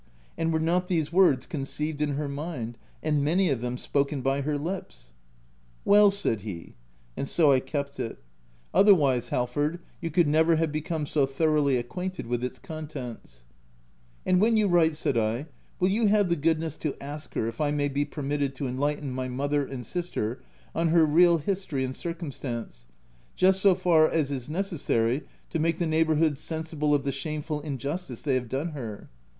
and were not these words conceived in her mind, and many of them spoken by her lips?" * Well,* said he. And so i kept it ; other 214 THE TENANT wise, Halford, you could never have become so thoroughly acquainted with its contents " And when you write," said I, " will you have the goodness to ask her if I may be per mitted to enlighten my mother and sister on her real history and circumstance, just so far as is necessary to make the neighbourhood sensible of the shameful injustice they have done her